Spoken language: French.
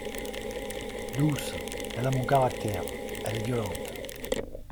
Douce ! elle a mon caractère, elle est violente.